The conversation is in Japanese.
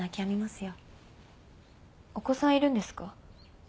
お子さんいるんですか？